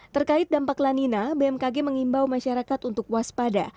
terkait dampak lanina bmkg mengimbau masyarakat untuk waspada